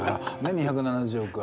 ２７０億は。